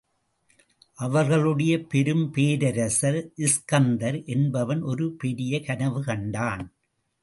அவர்களுடைய பெரும் பேரரசர் இஸ்கந்தர் என்பவன் ஒரு பெரிய கனவு கண்டான்.